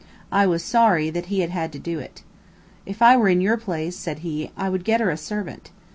I was sorry that he had to do it. "If I were in your place," said he, "I would get her a servant."